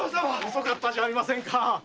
遅かったじゃありませんか。